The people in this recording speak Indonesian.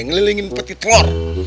ngelilingin peti telur